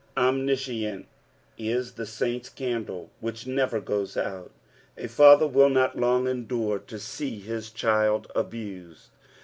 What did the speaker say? Omniscience is the Raint's candle which never goes oat. A father will not long endure to see his child abused.